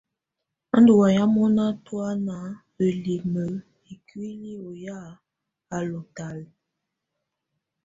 Á ndù waya mɔna tɔana ǝlimǝ ikuili ɔ ya á lù talɛ.